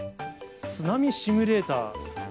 津波シミュレーター。